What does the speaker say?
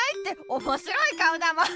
おもしろいかおだもん。